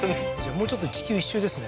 もうちょっとで地球一周ですね